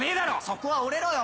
そこは折れろよ！